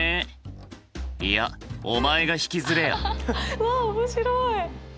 うわ面白い！